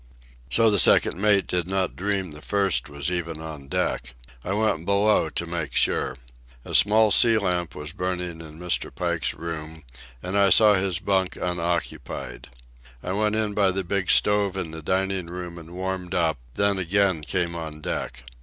So the second mate did not dream the first was even on deck. I went below to make sure. A small sea lamp was burning in Mr. Pike's room, and I saw his bunk unoccupied. I went in by the big stove in the dining room and warmed up, then again came on deck.